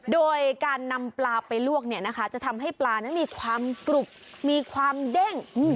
โดยการนำปลาไปลวกเนี่ยนะคะจะทำให้ปลานั้นมีความกรุบมีความเด้ง